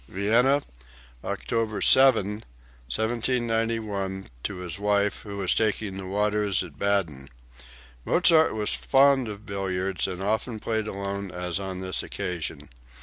(Vienna, October 7, 1791, to his wife, who was taking the waters at Baden. Mozart was fond of billiards and often played alone as on this occasion.